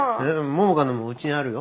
桃香のもうちにあるよ。